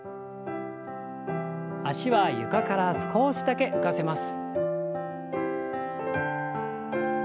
脚は床から少しだけ浮かせます。